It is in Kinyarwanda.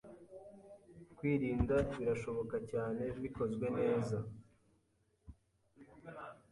Kwirinda birashoboka cyane bikozwe neza